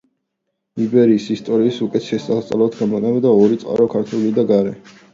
იბერიის ისტორიის უკეთ შესასწავლად გამოიყენება ორი წყარო ქართული და გარე.